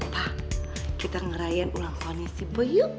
pa kita ngerayain ulang tahunnya si boy yuk